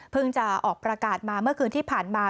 จะออกประกาศมาเมื่อคืนที่ผ่านมา